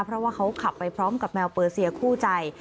เพราะว่าเขาขับไปพร้อมกับแมวเปอร์เซียคู่ใจ